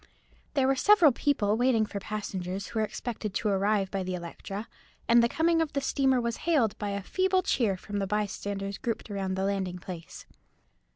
There were several people waiting for passengers who were expected to arrive by the Electra, and the coming of the steamer was hailed by a feeble cheer from the bystanders grouped about the landing place.